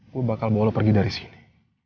gue bakal bawa lo pergi dari sini